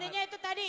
intinya itu tadi